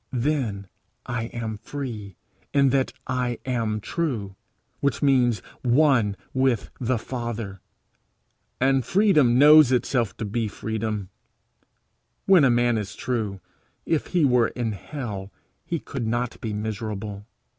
Then I am free, in that I am true which means one with the Father. And freedom knows itself to be freedom. When a man is true, if he were in hell he could not be miserable.